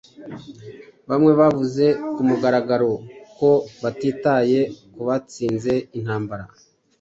Bamwe bavuze kumugaragaro ko batitaye kubatsinze intambara.